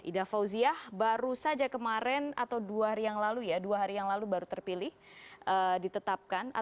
ida fauziah baru saja kemarin atau dua hari yang lalu ya dua hari yang lalu baru terpilih ditetapkan